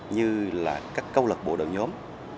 như là các câu lạc bộ đồng nhóm